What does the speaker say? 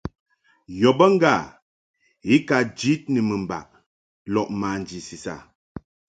Yɔ be ŋgâ i ka jid ni mɨmbaʼ lɔʼ manji sisa.